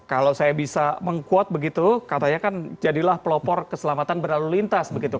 kalau saya bisa mengkuat begitu katanya kan jadilah pelopor keselamatan berlalu lintas begitu